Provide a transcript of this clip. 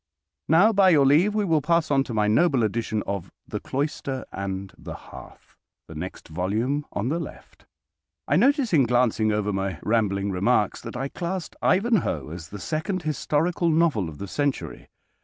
Now, by your leave, we will pass on to my noble edition of "The Cloister and the Hearth," the next volume on the left. I notice, in glancing over my rambling remarks, that I classed "Ivanhoe" as the second historical novel of the century.